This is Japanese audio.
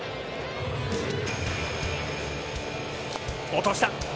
落とした。